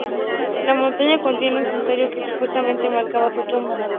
La montaña contiene un santuario que supuestamente marca su tumba.